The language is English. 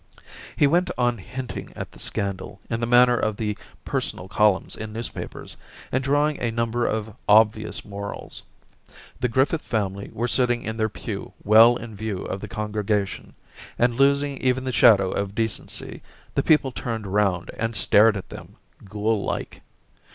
... He went on hinting at the scandal in the manner of the personal columns in news papers, and drawing a number of obvious morals. The Griffith family were sitting in their pew well in view of the congrega tion ; and losing even the shadow of decency, the people turned round and stared at them, ghoul like.